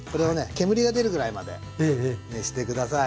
煙が出るぐらいまで熱して下さい。